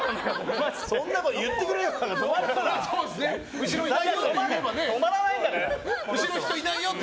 そんなこと、言ってくれないと。